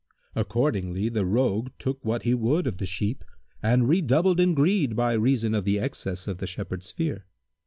Accordingly the Rogue took what he would of the sheep and redoubled in greed by reason of the excess of the Shepherd's fear.